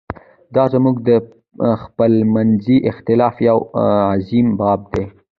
دا زموږ د خپلمنځي اختلاف یو عظیم باب دی.